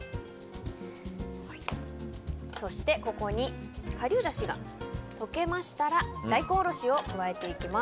そして、顆粒だしが溶けましたら大根おろしを加えていきます。